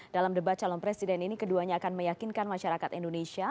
dalam debat calon presiden ini keduanya akan meyakinkan masyarakat indonesia